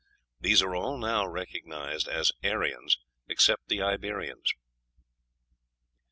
These are all now recognized as Aryans, except the Iberians.